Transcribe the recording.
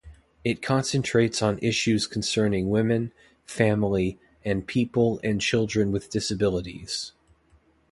It concentrates on issues concerning women, family and people and children with disabilities.